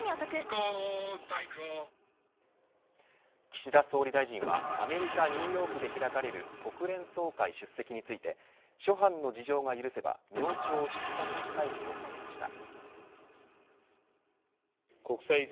岸田総理大臣はアメリカ、ニューヨークで開かれる国連総会出席について諸般の事情が許せば明朝出発したいと述べました。